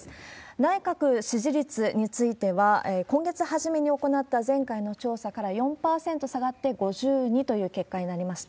内閣支持率については、今月初めに行った前回の調査から４％下がって５２という結果になりました。